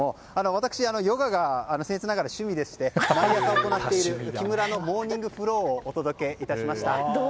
私、ヨガが僭越ながら趣味でして毎朝行っている木村のモーニングフローをお届けいたしました。